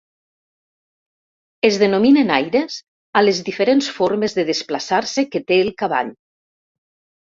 Es denominen aires a les diferents formes de desplaçar-se que té el cavall.